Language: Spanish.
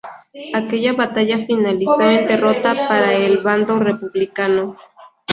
Aquella batalla finalizó en derrota para el bando republicano.